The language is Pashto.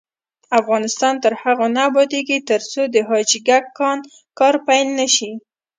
افغانستان تر هغو نه ابادیږي، ترڅو د حاجي ګک کان کار پیل نشي.